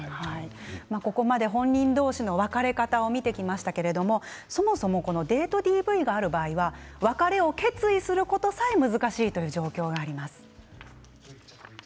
ここまで本人同士の別れ方を見てきましたがそもそもデートＤＶがある場合は別れを決意することさえ難しいという状況があります。